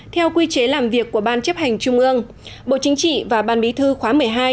theo quy chế làm việc của ban chấp hành trung ương bộ chính trị và ban bí thư khóa một mươi hai